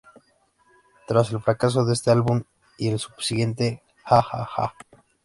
Tras el fracaso de este álbum y el subsiguiente, "Ha!-Ha!-Ha!